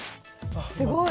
すごい。